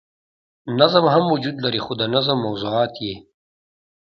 نظم هم وجود لري خو د نظم موضوعات ئې